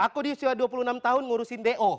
aku di usia dua puluh enam tahun ngurusin do